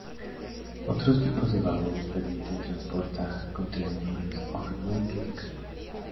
Otros tipos de vagones permiten transportar contenedores o remolques de camión.